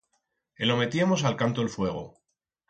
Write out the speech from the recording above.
E lo metiemos a'l canto el fuego.